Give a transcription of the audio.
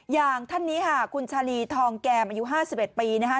อย่างท่านนี้ค่ะคุณชาลีทองแก้มอายุ๕๑ปีนะคะ